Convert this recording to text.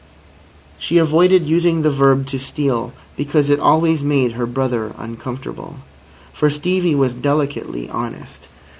She avoided using the verb "to steal," because it always made her brother uncomfortable. For Stevie was delicately honest.